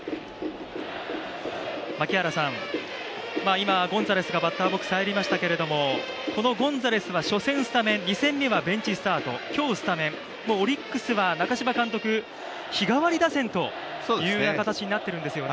今ゴンザレスがバッターボックスはいりましたけれどもこのゴンザレス、初戦スタメン２戦目はベンチスタート、今日スタメン、オリックスは中嶋監督、日替わり打線という形になっているんですよね。